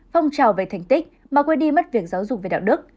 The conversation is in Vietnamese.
phong trào về thành tích mà quên đi mất việc giáo dục về đạo đức